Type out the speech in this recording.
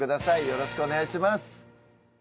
よろしくお願いします。